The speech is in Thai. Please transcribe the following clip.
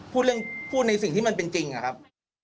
พูดเรื่องพูดในสิ่งที่มันเป็นจริงครับ